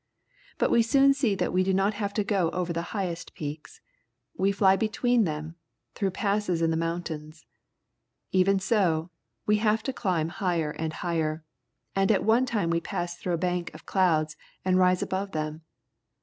But we soon see that we do not have to go over the highest peaks. We fly between them, through passes in the mountains. E\ en so, we have to climb higher and higher, and at one time we pass through a bank of clouds and rise above them.